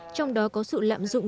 trong đó có sự lạm dụng